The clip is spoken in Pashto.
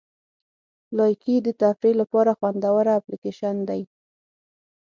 لایکي د تفریح لپاره خوندوره اپلیکیشن دی.